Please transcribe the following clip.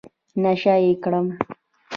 نشه يي کړم.